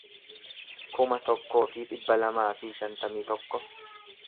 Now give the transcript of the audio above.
kuma tokkoo fi dhibba lamaa fi shantamii tokko